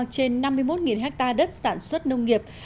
trên năm mươi một hectare đất sản xuất nông nghiệp